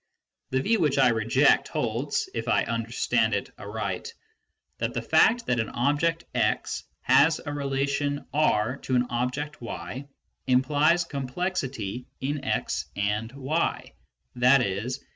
The view which I reject holds (if I understand it aright) that the fact that an object x has a certain relation R to an 374 B. RUSSELL: object y implies complexity in x and y, i.e.